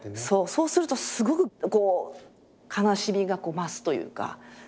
そうするとすごくこう悲しみが増すというか。ね？